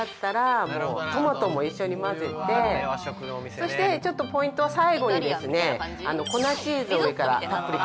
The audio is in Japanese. そしてちょっとポイントは最後にですね